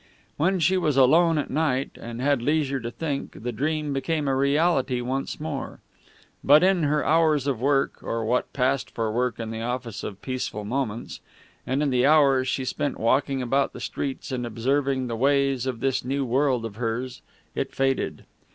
When she was alone at night, and had leisure to think, the dream became a reality once more; but in her hours of work, or what passed for work in the office of Peaceful Moments, and in the hours she spent walking about the streets and observing the ways of this new world of hers, it faded.